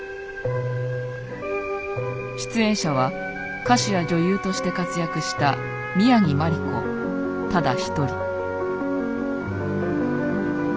出演者は歌手や女優として活躍した宮城まり子ただ一人。